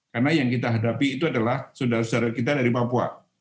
karena yang kita hadapi itu adalah saudara saudara kita dari papua